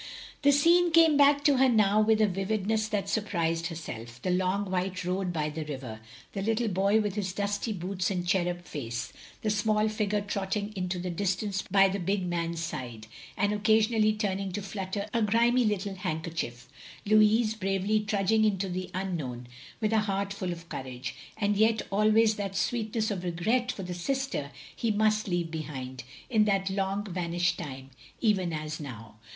The scene came back to her now with a vivid ness that surprised herself: the long, white road by the river; the little boy with his dusty boots and cherub face; the small figure trotting into the distance by the big man's side; and occa sionally turning to flutter a grimy little hand kerchief. ... Louis, bravely trudging into the unknown, with a heart full of courage; and yet always that sweetness of regret for the sister he must leave behind, in that long vanished time, even as now.